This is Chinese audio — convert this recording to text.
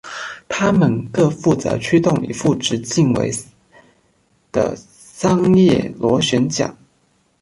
它们各负责驱动一副直径为的三叶螺旋桨。